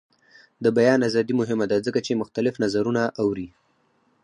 د بیان ازادي مهمه ده ځکه چې مختلف نظرونه اوري.